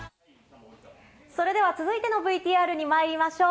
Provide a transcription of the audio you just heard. それでは続いてのＶＴＲにまいりましょう。